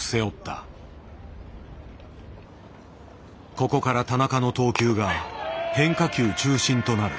ここから田中の投球が変化球中心となる。